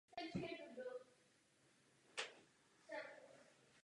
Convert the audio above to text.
Společnost se rozdělila na tři dceřiné společnosti.